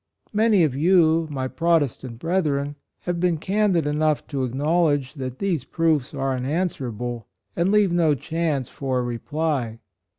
Many of you, my Protestant brethren, have been candid enough to acknowledge that these proofs are unanswerable, and leave no chance for a reply.